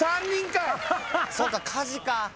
そっか火事か。